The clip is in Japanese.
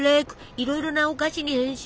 いろいろなお菓子に変身！